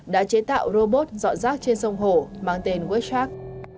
đã chế tạo robot dọn rác trên sông hồ mang tên westrack